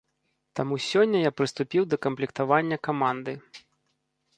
Таму сёння я прыступіў да камплектавання каманды.